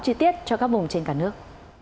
chi tiết cho các vùng trên cả nước